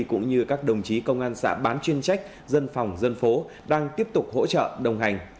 cũng như các đồng chí công an xã bán chuyên trách dân phòng dân phố đang tiếp tục hỗ trợ đồng hành